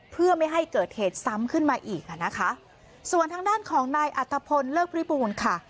เพื่อไม่ให้เกิดเหตุซ้ำขึ้นมาอีกอ่ะนะคะส่วนทางด้านของนายอัตภพลเลิกพิบูรณ์ค่ะ